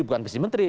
bukan visi menteri